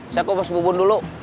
saya kok harus bubur dulu